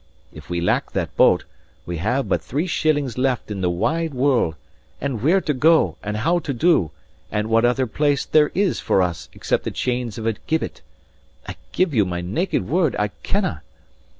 If we lack that boat, we have but three shillings left in this wide world; and where to go, and how to do, and what other place there is for us except the chains of a gibbet I give you my naked word, I kenna!